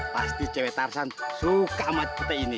pasti cewek tarzan suka sama petai ini